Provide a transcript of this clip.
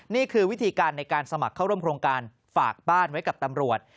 นี่คือวิธีการในการสมัครเข้าร่วมโครงการฝากบ้านไว้กับตำรวจ